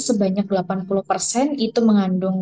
sebanyak delapan puluh persen itu mengandung